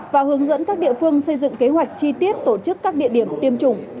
và hướng dẫn các địa phương xây dựng kế hoạch chi tiết tổ chức các địa điểm tiêm chủng